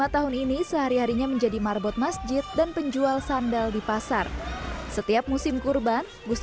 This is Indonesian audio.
lima tahun ini sehari harinya menjadi marbot masjid dan penjual sandal di pasar setiap musim kurban gus